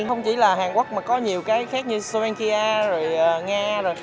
không chỉ là hàn quốc mà có nhiều cái khác như sloania rồi nga rồi